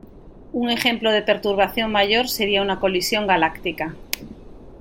Un ejemplo de perturbación mayor sería una colisión galáctica.